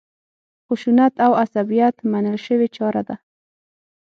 خشونت او عصبیت منل شوې چاره ده.